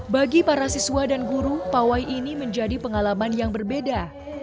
bagi para siswa dan guru pawai ini menjadi pengalaman yang berbeda